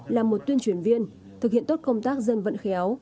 là một tuyên truyền viên thực hiện tốt công tác dân vận khéo